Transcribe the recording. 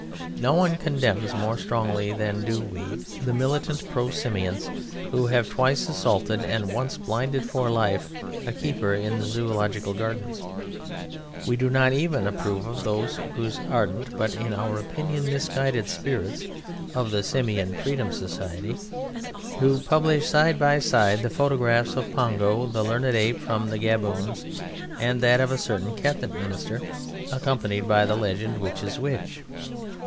No one condemns more strongly than do we the militant pro Simians who have twice assaulted and once blinded for life a keeper in the Zoological Gardens. We do not even approve of those ardent but in our opinion misguided spirits of the Simian Freedom Society who publish side by side the photographs of Pongo the learned Ape from the Gaboons and that of a certain Cabinet Minister, accompanied by the legend "Which is Which?"